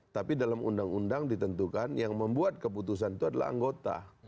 tapi dalam undang undang ditentukan yang membuat keputusan itu adalah anggota